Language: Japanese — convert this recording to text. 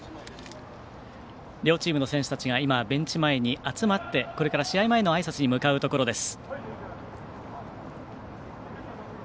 両チームの選手たちがベンチ前に集まってこれから試合前のあいさつに向かうところです。